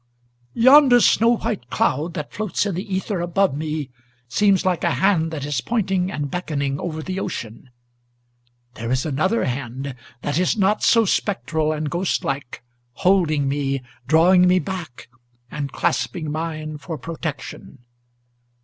"Yonder snow white cloud, that floats in the ether above me, Seems like a hand that is pointing and beckoning over the ocean. There is another hand, that is not so spectral and ghost like, Holding me, drawing me back, and clasping mine for protection.